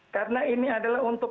karena ini adalah untuk